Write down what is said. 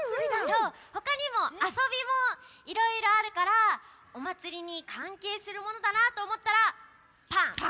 そうほかにもあそびもいろいろあるからおまつりにかんけいするものだなとおもったら「パン！」。